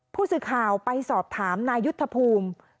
ผู้สื่อข่าวไปสอบถามนายุทธภูมิ